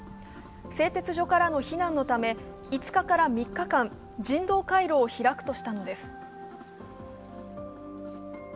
製鉄所からの避難のため５日から３日間、人道回廊を開くとしたのです。